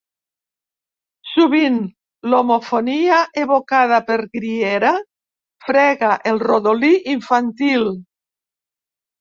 Sovint, l'homofonia evocada per Griera frega el rodolí infantil.